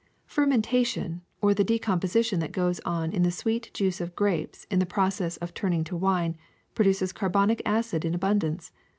*^ Fermentation, or the decomposition that goes on in the sweet juice of grapes in the process of turning to wine, produces carbonic acid gas in abundance.